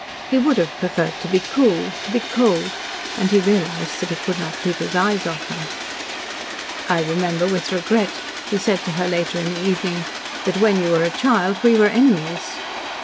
He would have preferred to be cool to be cold and he realised that he could not keep his eyes off her. "I remember, with regret," he said to her later in the evening, "that when you were a child we were enemies."